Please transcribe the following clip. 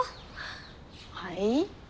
はい？